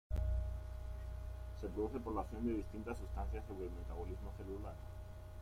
Se produce por la acción de distintas sustancias sobre el metabolismo celular.